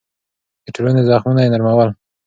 د ټولنې زخمونه يې نرمول.